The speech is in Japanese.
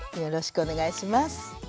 よろしくお願いします。